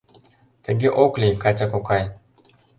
— Тыге ок лий, Катя кокай!